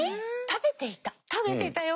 食べていたよ！